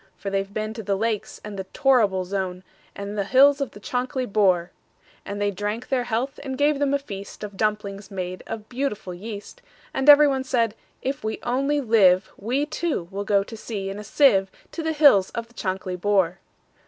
For they've been to the Lakes, and the Torrible Zone, And the hills of the Chankly Bore."And they drank their health, and gave them a feastOf dumplings made of beautiful yeast; And every one said, "If we only live, We, too, will go to sea in a sieve, To the hills of the Chankly Bore."